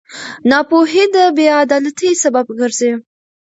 ناپوهي د بېعدالتۍ سبب ګرځي.